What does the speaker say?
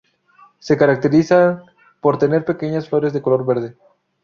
Se caracterizan por tener pequeñas flores de color verde.